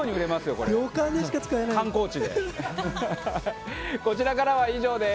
こちらからは以上です。